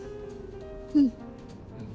うん